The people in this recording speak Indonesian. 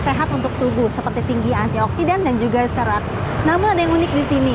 sehat untuk tubuh seperti tinggi antioksidan dan juga serat namun ada yang unik di sini